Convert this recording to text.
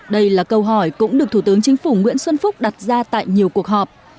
đây là câu hỏi cũng được thủ tướng chính phủ nguyễn xuân phúc đặt ra tại nhiều cuộc họp